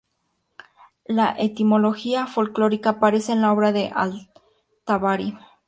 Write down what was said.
Una etimología folclórica aparece en la obra de al-Tabari.